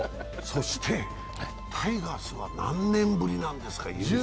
そして、タイガースは何年ぶりなんですか、優勝は。